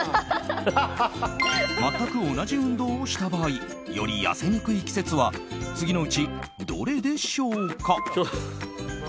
全く同じ運動をした場合より痩せにくい季節は次のうちどれでしょうか。